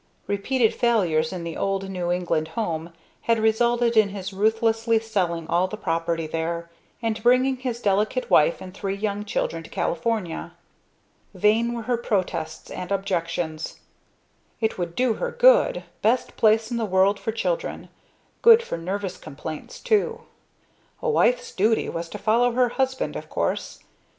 Repeated failures in the old New England home had resulted in his ruthlessly selling all the property there; and bringing his delicate wife and three young children to California. Vain were her protests and objections. It would do her good best place in the world for children good for nervous complaints too. A wife's duty was to follow her husband, of course.